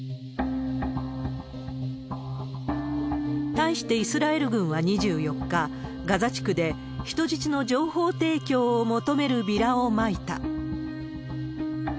対してイスラエル軍は２４日、ガザ地区で人質の情報提供を求めるビラをまいた。